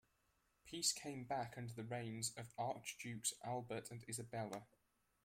Peace came back under the reigns of Archdukes Albert and Isabella.